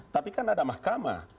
tapi kan ada mahkamah